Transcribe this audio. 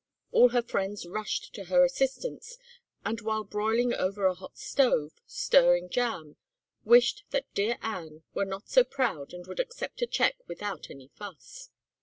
All her friends rushed to her assistance, and while broiling over a hot stove, stirring jam, wished that dear Anne were not so proud and would accept a check without any fuss.